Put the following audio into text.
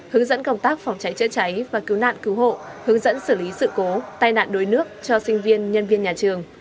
hướng dẫn công tác phòng cháy chữa cháy và cứu nạn cứu hộ hướng dẫn xử lý sự cố tai nạn đuối nước cho sinh viên nhân viên nhà trường